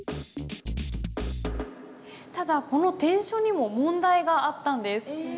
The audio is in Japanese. ただこの篆書にも問題があったんです。